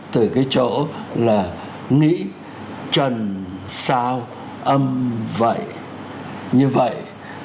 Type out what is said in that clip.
từ cái chỗ là nghĩ trần sao âm vậy như vậy